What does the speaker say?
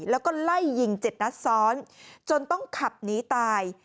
แล้วก็ไล่ยิง๗นัดซ้อนจนต้องขับหนีตาย